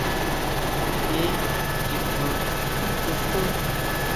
Ncheé nchikan tisesun.